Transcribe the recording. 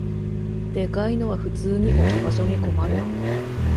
でかいのは普通に置き場所に困る